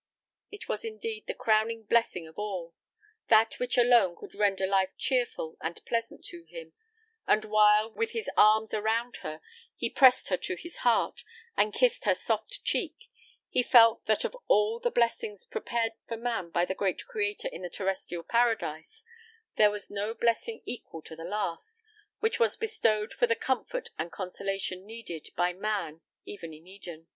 It was indeed the crowning blessing of all; that which alone could render life cheerful and pleasant to him; and while, with his arms around her, he pressed her to his heart, and kissed her soft cheek, he felt that of all the blessings prepared for man by the great Creator in the terrestrial paradise, there was no blessing equal to the last, which was bestowed for the comfort and consolation needed by man even in Eden.